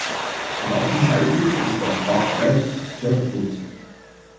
Straßenseitig ist das Fachwerk verputzt.